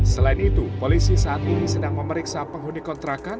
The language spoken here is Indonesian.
selain itu polisi saat ini sedang memeriksa penghuni kontrakan